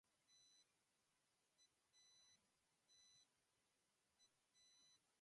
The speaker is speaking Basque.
Aitzitik, balkoitik jauzi eginda ihes egitea lortu zuen.